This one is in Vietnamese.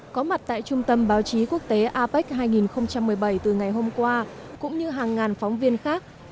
có mặt tại trung tâm báo chí quốc tế apec hai nghìn một mươi bảy từ ngày hôm qua cũng như hàng ngàn phóng viên khác